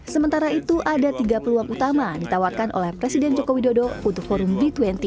sementara itu ada tiga peluang utama ditawarkan oleh presiden joko widodo untuk forum g dua puluh